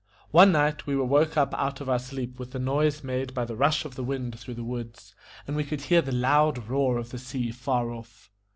One night we were woke up out of our sleep with the noise made by the rush of the wind through the woods, and we could hear the loud roar of the sea far off.